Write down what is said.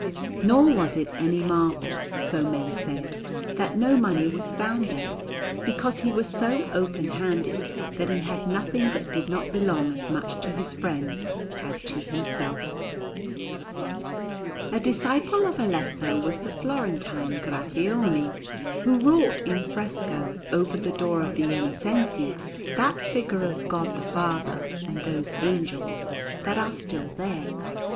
Nor was it any marvel, so men said, that no money was found there, because he was so open handed that he had nothing that did not belong as much to his friends as to himself. A disciple of Alesso was the Florentine Graffione, who wrought in fresco, over the door of the Innocenti, that figure of God the Father and those angels that are still there.